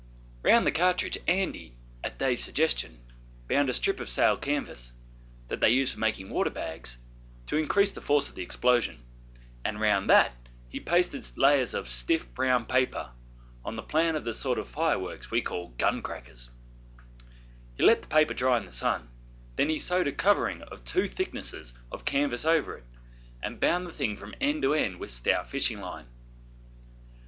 Round the cartridge Andy, at Dave's suggestion, bound a strip of sail canvas that they used for making water bags to increase the force of the explosion, and round that he pasted layers of stiff brown paper on the plan of the sort of fireworks we called 'gun crackers'. He let the paper dry in the sun, then he sewed a covering of two thicknesses of canvas over it, and bound the thing from end to end with stout fishing line.